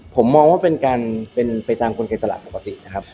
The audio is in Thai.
ผมมองว่าเป็นการเป็นไปตามกลไกตลาดปกตินะครับ